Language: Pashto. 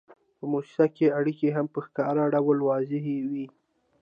په موسسه کې اړیکې هم په ښکاره ډول واضحې وي.